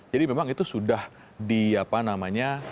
jadi memang itu sudah di apa namanya